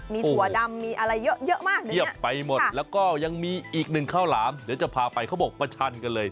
มีถั่วดำมีอะไรเยอะมากเงียบไปหมดแล้วก็ยังมีอีกหนึ่งข้าวหลามเดี๋ยวจะพาไปเขาบอกประชันกันเลย